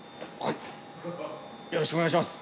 よろしくお願いします。